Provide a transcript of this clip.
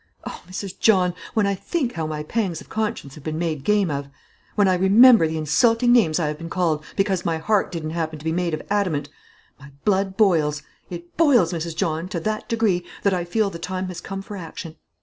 O Mrs. John, when I think how my pangs of conscience have been made game of, when I remember the insulting names I have been called, because my heart didn't happen to be made of adamant, my blood boils; it boils, Mrs. John, to that degree, that I feel the time has come for action.